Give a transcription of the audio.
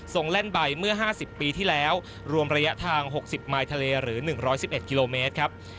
แล่นใบเมื่อ๕๐ปีที่แล้วรวมระยะทาง๖๐มายทะเลหรือ๑๑๑กิโลเมตรครับ